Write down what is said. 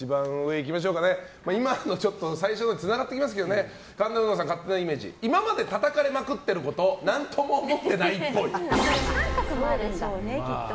今の最初のにつながりますけど神田うのさんの勝手なイメージ今までたたかれまくってること何とも思ってないっぽい。